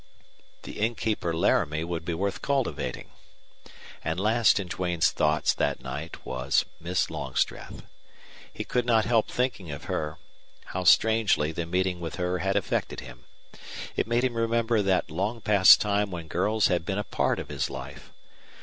The innkeeper Laramie would be worth cultivating. And last in Duane's thoughts that night was Miss Longstreth. He could not help thinking of her how strangely the meeting with her had affected him. It made him remember that long past time when girls had been a part of his life.